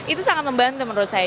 itu sangat membantu menurut saya